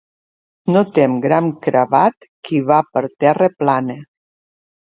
No tem gran crebant qui va per terra plana.